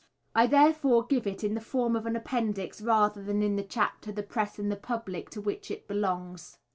I, therefore, give it, in the form of an appendix, rather than in the chapter "The Press and the Public" to which it belongs.